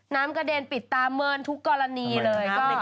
น้ำกระเด็นปิดตาเมินทุกกรณีเลย